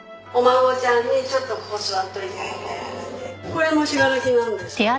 これも信楽なんです。